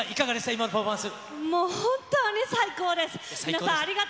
今のパフォーマンス。